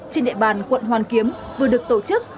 trên địa bàn quận hoàn kiếm vừa được tổ chức